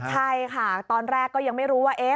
ใช่ค่ะตอนแรกก็ยังไม่รู้ว่า